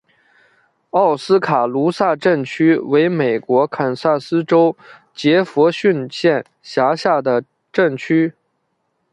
奥斯卡卢萨镇区为美国堪萨斯州杰佛逊县辖下的镇区。